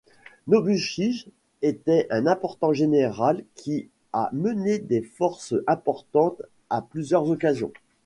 Nobushige était un important général qui a mené des forces importantes à plusieurs occasions.